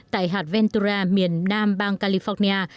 tại hạt ventura miền nam bang california